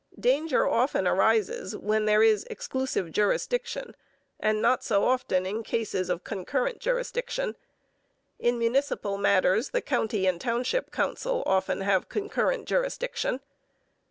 Danger often arises where there is exclusive jurisdiction and not so often in cases of concurrent jurisdiction. In municipal matters the county and township council often have concurrent jurisdiction.